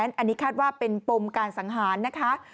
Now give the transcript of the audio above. อันนี้คาดว่าเป็นปมการสังหารนะคะ